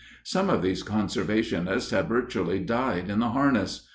Some of these conservationists have virtually died in the harness.